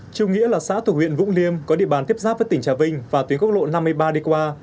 trung nghĩa là xã thuộc huyện vũng liêm có địa bàn tiếp giáp với tỉnh trà vinh và tuyến quốc lộ năm mươi ba đi qua